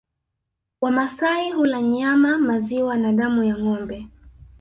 Wamasai hula nyama maziwa na damu ya ngombe